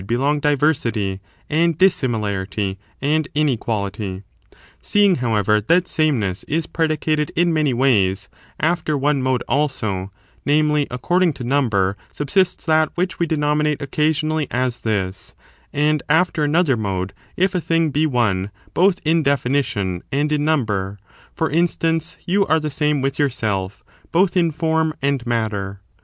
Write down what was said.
^^^^ belong diversity, and dissimilarity, and in equality. Seeing, however, that sameness is predicated in many ways, after one mode also — namely, according to number — subsists that which we denominate occasionsdly as this, and after another mode if a thing be one both in definition and in number ; for instance, you are the same with yourself both in form and matter.